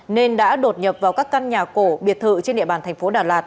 nên đã đột nhập vào các căn nhà cổ biệt thự trên địa bàn thành phố đà lạt